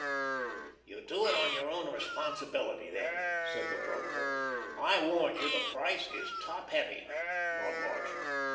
"You do it on your own responsibility, then," said the broker. "I warn you the price is top heavy." "Not much.